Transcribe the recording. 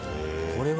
これは。